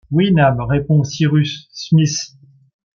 Oui, Nab, répondit Cyrus Smith